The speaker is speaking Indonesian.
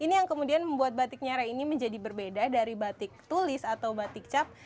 ini yang kemudian membuat batik nyere ini menjadi berbeda dari batik tulis atau batik cap